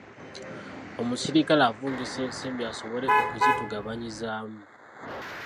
Omuserikale avungisa ensimbi asobole okuzitugabanyizaamu.